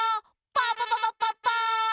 パパパパッパッパ。